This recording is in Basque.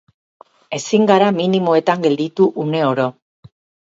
Ezin gara minimoetan gelditu une oro.